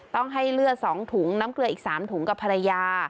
ต้องให้เลือด๒ถุงน้ำเกลืออีก๓ถุงกับภรรยา